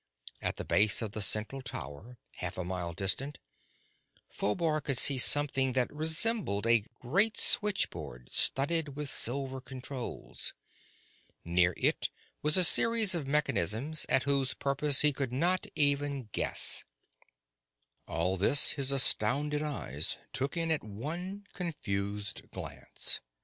At the base of the central tower half a mile distant Phobar could see something that resembled a great switchboard studded with silver controls. Near it was a series of mechanisms at whose purpose he could not even guess. All this his astounded eyes took in at one confused glance.